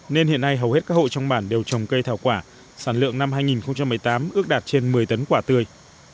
nên hiện nay hầu hết các hộ trong bản đều trồng cây thảo quả sản lượng năm hai nghìn một mươi tám ước đạt trên một mươi tấn quả tươi